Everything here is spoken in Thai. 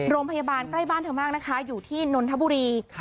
โรงพยาบาลใกล้บ้านเธอมากนะคะอยู่ที่นนทบุรี